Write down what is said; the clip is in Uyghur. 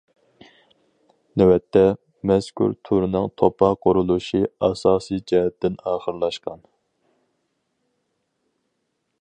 نۆۋەتتە، مەزكۇر تۈرنىڭ توپا قۇرۇلۇشى ئاساسىي جەھەتتىن ئاخىرلاشقان.